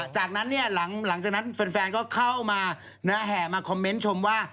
จากนั้นเนี่ยหลังจากนั้นแฟนก็เข้ามาแห่มาคอมเมนต์ชมว่า